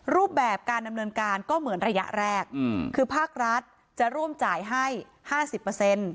รูปแบบการดำเนินการก็เหมือนระยะแรกอืมคือภาครัฐจะร่วมจ่ายให้ห้าสิบเปอร์เซ็นต์